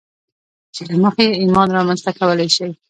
چې له مخې يې ايمان رامنځته کولای شئ.